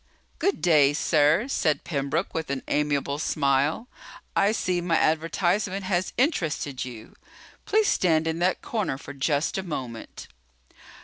"Good day, sir," said Pembroke with an amiable smile. "I see my advertisement has interested you. Please stand in that corner for just a moment."